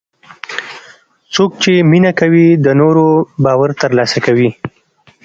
څوک چې مینه کوي، د نورو باور ترلاسه کوي.